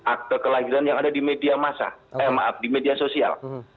akte kelahiran yang ada di media sosial